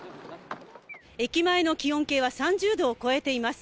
駅前の気温計は３０度を超えています。